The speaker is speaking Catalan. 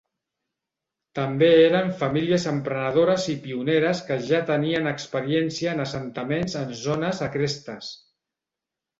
També eren famílies emprenedores i pioneres que ja tenien experiència en assentaments en zones agrestes.